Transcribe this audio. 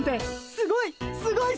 すごいすごい！